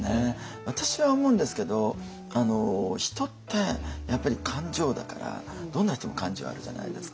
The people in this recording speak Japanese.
私は思うんですけど人ってやっぱり感情だからどんな人も感情あるじゃないですか。